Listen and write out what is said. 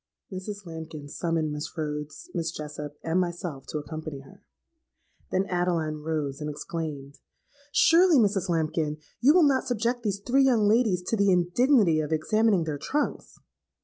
"Mrs. Lambkin summoned Miss Rhodes, Miss Jessop, and myself to accompany her. Then Adeline rose, and exclaimed, 'Surely, Mrs. Lambkin, you will not subject these three young ladies to the indignity of examining their trunks?'